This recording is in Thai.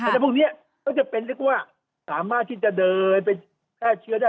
แต่พวกนี้ก็จะเป็นเรียกว่าสามารถที่จะเดินไปแพร่เชื้อได้